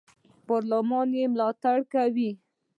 پارلمان ملاتړ یې کاوه.